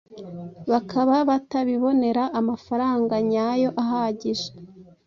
bakaba batabibonera amafaranga nyayo ahagije.